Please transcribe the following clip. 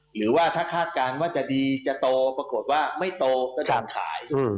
หรือว่าถ้าคาดการณ์ว่าจะดีจะโตปรากฏว่าไม่โตก็โดนขาย